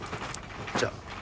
じゃあ。